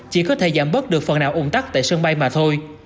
chỉ có thể giảm bớt được phần nào ủng tắc tại sân bay mà thôi